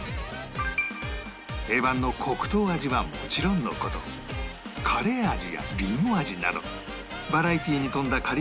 定番の黒糖味はもちろんの事カレー味やリンゴ味などバラエティーに富んだか